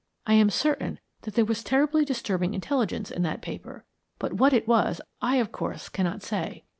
I am certain that there was terribly disturbing intelligence in that paper; but what it was, I, of course, cannot say.